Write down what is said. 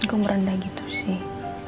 engga merendah gitu sih